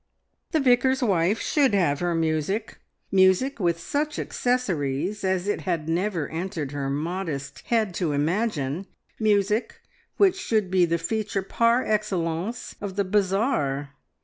The vicar's wife should have her music music with such accessories as it had never entered her modest head to imagine, music which should be the feature par excellence of the bazaar.